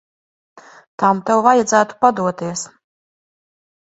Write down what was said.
Tam tev vajadzētu padoties.